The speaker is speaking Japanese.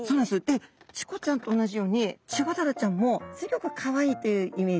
でチコちゃんと同じようにチゴダラちゃんもすギョくかわいいというイメージ。